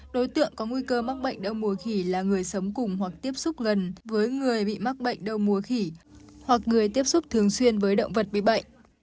đối tượng có nguy cơ mắc bệnh đau mùa khỉ là người sống cùng hoặc tiếp xúc gần với người bị mắc bệnh đau mùa khỉ hoặc người tiếp xúc thường xuyên với động vật bị bệnh